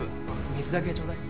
水だけちょうだい。